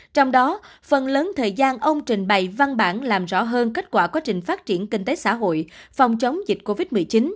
trong đó phần lớn thời gian ông trình bày văn bản làm rõ hơn kết quả quá trình phát triển kinh tế xã hội phòng chống dịch covid một mươi chín